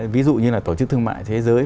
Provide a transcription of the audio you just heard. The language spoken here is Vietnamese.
ví dụ như là tổ chức thương mại thế giới